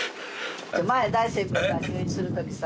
前大助君が入院するときさ